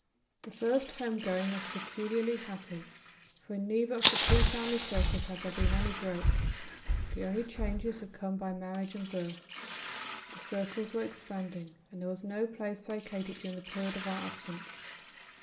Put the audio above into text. The first home going was peculiarly happy, for in neither of the two family circles had there been any break. The only changes had come by marriage and birth. The circles were expanding, and there was no place vacated during the period of our absence.